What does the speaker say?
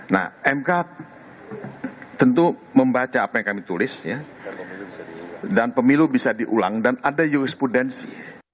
nah mk tentu membaca apa yang kami tulis ya dan pemilu bisa diulang dan ada jurisprudensi